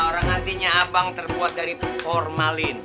orang hatinya abang terbuat dari porn malin